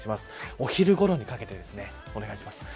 お昼ごろにかけてお願いします。